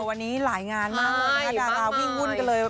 วันนี้หลายงานมากเลยนะคะดาราวิ่งวุ่นกันเลย